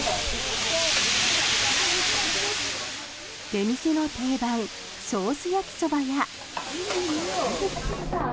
出店の定番ソース焼きそばや。